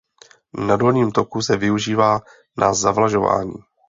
Na dolním toku se využívá na zavlažování.